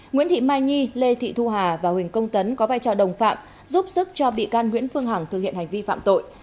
nguyễn thị mai nhi lê thị thu hà và huỳnh công tấn có vai trò đồng phạm giúp sức cho bị can nguyễn phương hằng thực hiện hành vi phạm tội